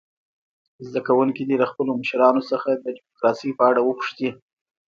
زده کوونکي دې له خپلو مشرانو څخه د ډموکراسۍ په اړه وپوښتي.